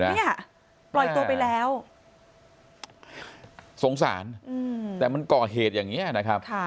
เนี่ยปล่อยตัวไปแล้วสงสารแต่มันก่อเหตุอย่างนี้นะครับ